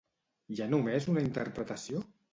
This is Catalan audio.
Hi ha només una interpretació?